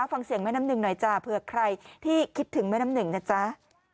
ฟังเสียงแม่น้ำหนึ่งหน่อยจ้าเผื่อใครที่คิดถึงแม่น้ำหนึ่งนะจ๊ะ